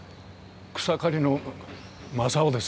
草刈の正雄ですが。